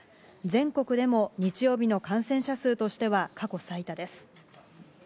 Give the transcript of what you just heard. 全国でも日曜日の感染者数としては過去最多です。